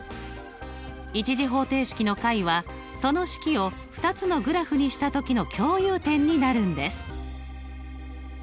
１次方程式の解はその式を２つのグラフにした時の共有点になるんです。